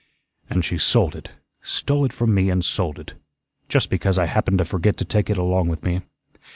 "And she sold it stole it from me and sold it. Just because I happened to forget to take it along with me.